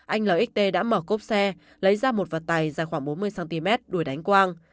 anh l đã mở cốp xe lấy ra một vật tài dài khoảng bốn mươi cm đuổi đánh quang